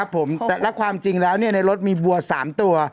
ผมแต่ละความจริงแล้วในรถมีวัว๓ตัว